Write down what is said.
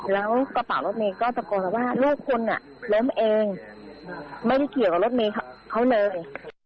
แล้วกระเป๋ารถเมย์ก็ตะโกนมาว่าลูกคุณล้มเองไม่ได้เกี่ยวกับรถเมย์เขาเลย